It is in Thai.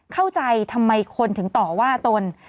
เข้าใจทำไมคนถึงต่อว่าตน